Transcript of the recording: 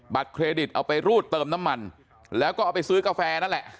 เครดิตเอาไปรูดเติมน้ำมันแล้วก็เอาไปซื้อกาแฟนั่นแหละ